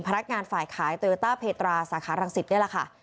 พนักงานฝ่ายขายโตโยต้าเพตราสาขารังสิตนี่แหละค่ะ